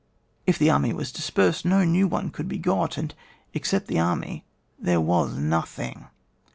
If the army was dispersed, no new one could be got, and except the army there was nothing.